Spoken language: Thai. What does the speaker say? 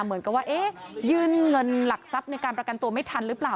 เหมือนกับว่ายื่นเงินหลักทรัพย์ในการประกันตัวไม่ทันหรือเปล่า